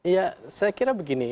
ya saya kira begini